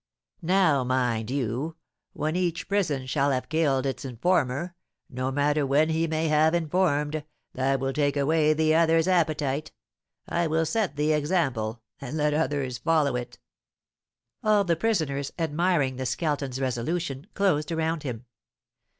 Now, mind you, when each prison shall have killed its informer, no matter when he may have informed, that will take away the others' appetite. I will set the example, and let others follow it." All the prisoners, admiring the Skeleton's resolution, closed around him.